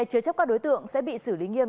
chứa chấp các đối tượng sẽ bị xử lý nghiêm